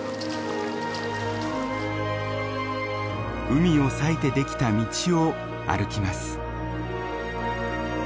海を裂いて出来た道を歩きます。